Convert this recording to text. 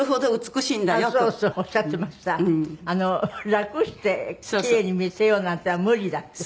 楽してキレイに見せようなんていうのは無理だって。